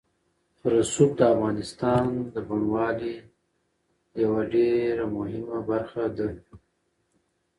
رسوب د افغانستان د بڼوالۍ یوه ډېره مهمه برخه ده.